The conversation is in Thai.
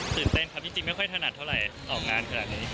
ตื่นเต้นครับจริงไม่ค่อยถนัดเท่าไหร่ออกงานขนาดนี้